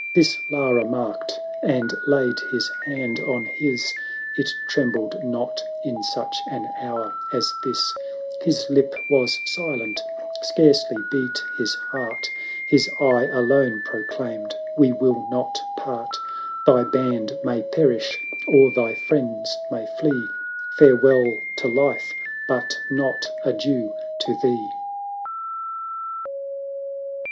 This Lara marked, and laid his hand on his: It trembled not in such an hour as this; 1000 His lip was silent, scarcely beat his heart, His eye alone proclaimed, " We will not part! "Thy band may perish, or thy friends may flee, " Farewell to Life — but not Adieu to thee!"